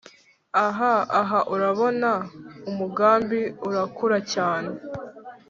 ah ha, urabona, umugambi urakura cyane